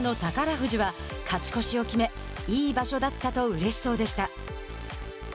富士は勝ち越しを決めいい場所だったとうれしそうでした。